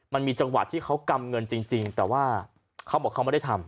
มันมีจังหวะที่เขากำเงินจริงแต่ว่าเขาบอกเขาไม่ได้ทำ